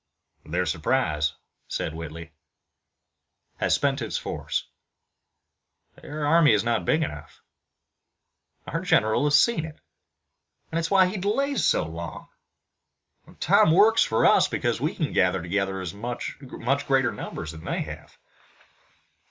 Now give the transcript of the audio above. "Their surprise," said Whitley, "has spent its force. Their army is not big enough. Our general has seen it, and it's why he delays so long. Time works for us, because we can gather together much greater numbers than they have."